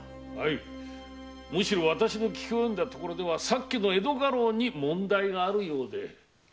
はいむしろ私の聞き及んだところではさっきの江戸家老に問題があるようで。